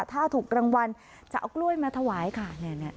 ถ้าถูกรางวัลจะเอากล้วยมาถวายค่ะ